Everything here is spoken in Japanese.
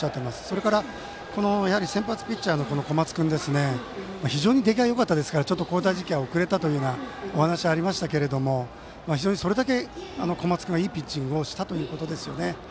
それから先発ピッチャーの小松君非常に出来がよかったのでちょっと交代時期が遅れたというお話はありましたけども非常にそれだけ小松君がいいピッチングをしたということですよね。